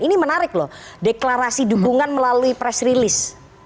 ini menarik loh deklarasi dukungan melalui press release